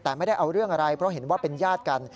แต่ไม่ได้เอาเรื่องอะไรเพราะเห็นว่าเป็นญาติกัน